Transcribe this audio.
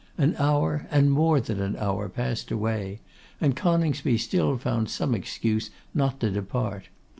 An hour, and more than an hour, passed away, and Coningsby still found some excuse not to depart.